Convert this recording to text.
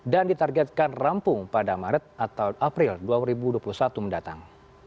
dan ditargetkan rampung pada maret atau april dua ribu dua puluh satu mendatang